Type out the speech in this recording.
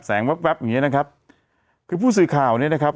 แวบอย่างเงี้นะครับคือผู้สื่อข่าวเนี้ยนะครับ